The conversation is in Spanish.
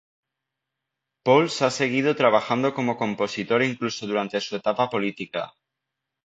Pauls ha seguido trabajando como compositor incluso durante su etapa política.